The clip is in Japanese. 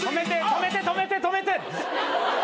止めて止めて止めて！